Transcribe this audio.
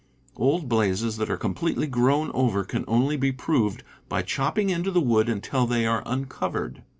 Old blazes that are completely grown over can only be proven by chopping into the wood until they are un covered.